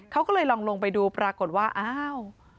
เขาก็เลยลองลงไปดูปรากฏว่าอ้าว